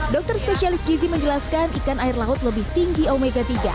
dokter spesialis gizi menjelaskan ikan air laut lebih tinggi omega tiga